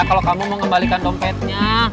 kalau kamu mau kembalikan dompetnya